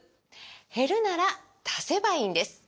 減るなら足せばいいんです！